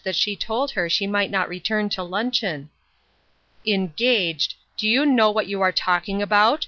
says she told her she might not return to lnncheon." " Engaged ! Do you know what you are talking about